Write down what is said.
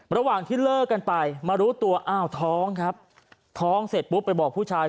ระหว่างที่เลิกกันไปมารู้ตัวอ้าวท้องครับท้องเสร็จปุ๊บไปบอกผู้ชาย